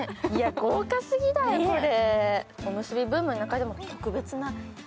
豪華すぎだよ、これ。